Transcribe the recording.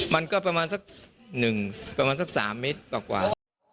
มันก็ประมาณสักหนึ่งประมาณสักสามเมตรกว่า